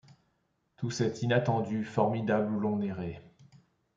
Tout cet inattendù formidable où l'on erré